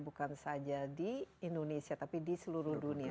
bukan saja di indonesia tapi di seluruh dunia